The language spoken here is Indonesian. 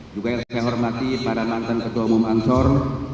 juga yang saya hormati para mantan ketua umum ansor